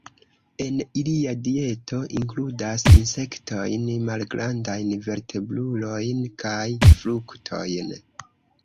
En ilia dieto inkludas insektojn, malgrandajn vertebrulojn kaj fruktojn.